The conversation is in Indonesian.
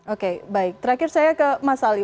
oke baik terakhir saya ke mas ali